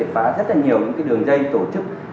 để phá rất nhiều đường dây tổ chức